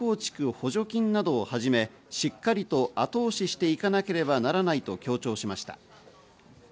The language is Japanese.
補助金などをはじめ、しっかりと後押ししていかなければならないと強調しました。